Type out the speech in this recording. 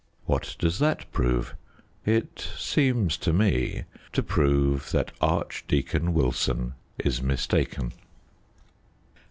What does that prove? It seems to me to prove that Archdeacon Wilson is mistaken.